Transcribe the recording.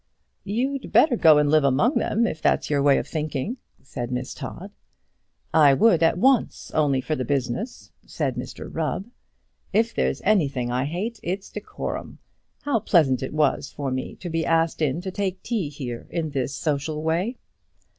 "You'd better go and live among them, if that's your way of thinking," said Miss Todd. "I would at once, only for the business," said Mr Rubb. "If there's anything I hate, it's decorum. How pleasant it was for me to be asked in to take tea here in this social way!"